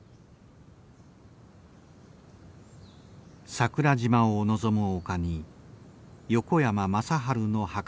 桜島を望む丘に横山正治の墓がある。